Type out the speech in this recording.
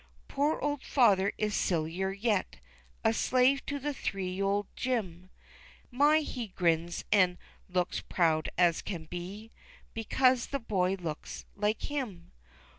Poor old father is sillier yet, A slave to three year old Jim, My, he grins an' looks proud as can be Because the boy looks like him!